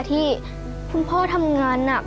ที่คุณพ่อทำงานหนัก